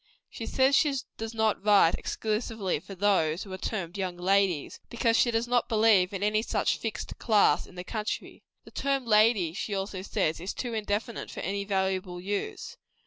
She says she does not write exclusively for those who are termed young ladies; because she does not believe in any such fixed class, in the country. The term lady, she also says, is too indefinite for any valuable use.